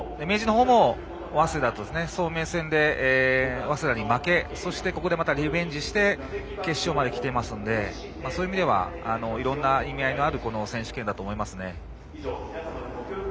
明治のほうも早明戦で早稲田に負け、そしてここでリベンジして決勝まできていますのでそういう意味ではいろんな意味合いのある選手権だと思いますね。